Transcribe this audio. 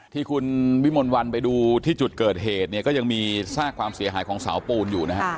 ที่คุณวิมลวันไปดูที่จุดเกิดเหตุเนี่ยก็ยังมีซากความเสียหายของเสาปูนอยู่นะฮะ